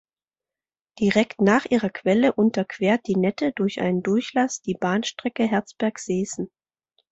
Direkt nach ihrer Quelle unterquert die Nette durch einen Durchlass die Bahnstrecke Herzberg–Seesen.